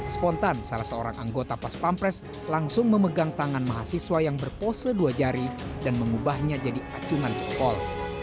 spontan salah seorang anggota pas pampres langsung memegang tangan mahasiswa yang berpose dua jari dan mengubahnya jadi acungan cekol